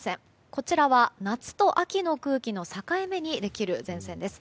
こちらは夏と秋の空気の境目にできる前線です。